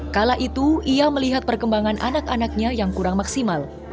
kala itu ia melihat perkembangan anak anaknya yang kurang maksimal